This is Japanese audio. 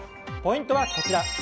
ポイントはこちら。